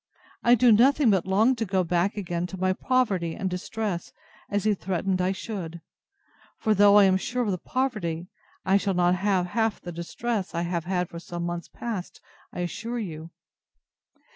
I do nothing but long to go back again to my poverty and distress, as he threatened I should; for though I am sure of the poverty, I shall not have half the distress I have had for some months past, I'll assure you.